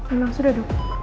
emang sudah dok